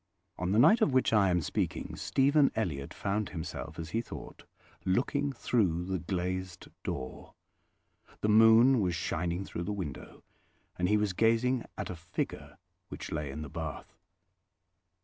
On the night of which I am speaking, Stephen Elliott found himself, as he thought, looking through the glazed door. The moon was shining through the window, and he was gazing at a figure which lay in the bath.